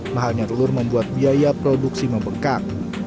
mahalnya telur membuat biaya produksi membengkak